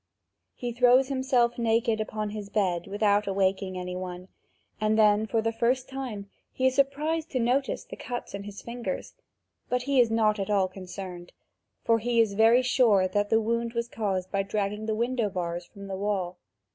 He throws himself naked upon his bed without awaking any one, and then for the first time he is surprised to notice the cuts in his fingers; but he is not at all concerned, for he is very sure that the wound was caused by dragging the window bars from the wall.